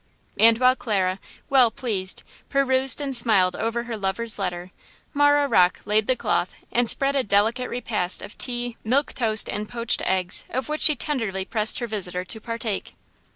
And while Clara, well pleased, perused and smiled over her lover's letter, Marah Rocke laid the cloth and spread a delicate repast of tea, milk toast and poached eggs, of which she tenderly pressed her visitor to partake.